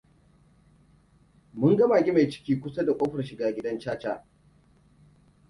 Mun ga mage mai ciki kusa da ƙofar shiga gidan caca.